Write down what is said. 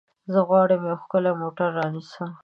زه غواړم چې یو ښکلی موټر رانیسم.